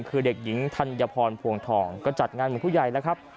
คือเด็กหญิงธัญพรพวงทองก็จัดงานเหมือนผู้ใหญ่แล้วครับ